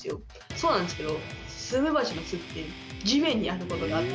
そうなんですけどスズメバチの巣って地面にある事があって。